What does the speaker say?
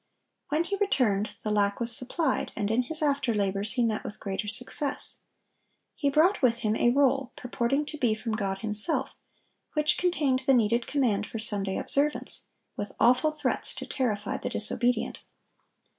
When he returned, the lack was supplied, and in his after labors he met with greater success. He brought with him a roll purporting to be from God Himself, which contained the needed command for Sunday observance, with awful threats to terrify the disobedient.